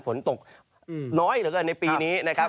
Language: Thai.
ฝนตกน้อยเหลือเกินในปีนี้นะครับ